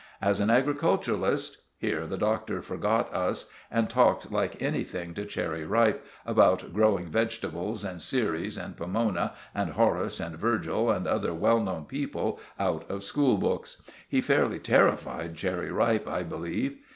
As an agriculturist——" Here the Doctor forgot us, and talked like anything to Cherry Ripe about growing vegetables, and Ceres and Pomona and Horace and Virgil, and other well known people out of school books. He fairly terrified Cherry Ripe, I believe.